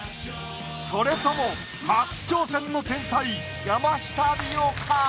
それとも初挑戦の天才山下リオか？